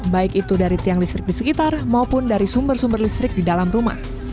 baik itu dari tiang listrik di sekitar maupun dari sumber sumber listrik di dalam rumah